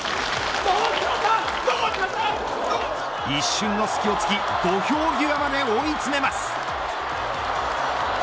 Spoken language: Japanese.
一瞬の隙を突き土俵際まで追い詰めます。